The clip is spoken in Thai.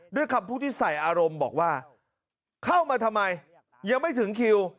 ด้วยคำพูดที่ใส่อารมณ์บอกว่าเข้ามาทำไมยังไม่ถึงคิว